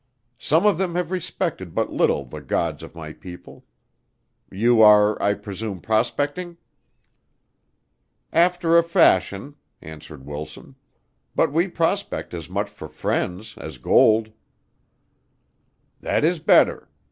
Some of them have respected but little the gods of my people. You are, I presume, prospecting?" "After a fashion," answered Wilson. "But we prospect as much for friends as gold." "That is better.